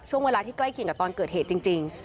ช่วงเวลาที่ใกล้เคียงกับตอนเกิดเหตุจริง